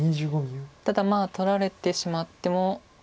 ただ取られてしまっても。